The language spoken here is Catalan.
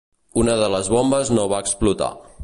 Una de les bombes no va explotar.